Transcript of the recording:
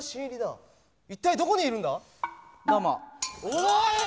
おい！